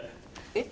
えっ？